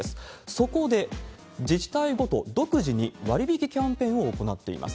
そこで自治体ごと、独自に割引キャンペーンを行っています。